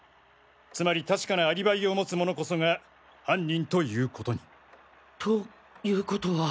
つまり確かなアリバイを持つ者こそが犯人ということに。ということは。